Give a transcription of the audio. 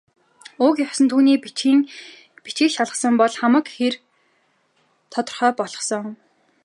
Уг ёс нь түүний бичгийг шалгасан бол хамаг хэрэг тодорхой болохсон.